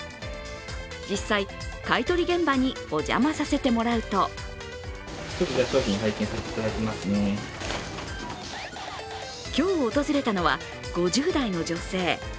実際、買い取り現場にお邪魔させてもらうと今日訪れたのは、５０代の女性。